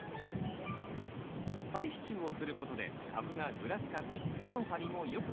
仮支柱をすることで株がぐらつかず根の張りもよくなります。